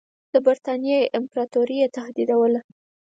د برټانیې امپراطوري یې تهدیدوله.